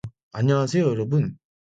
안녕하세요, 여러분.